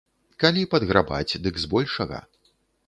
Калі падграбаць, дык збольшага.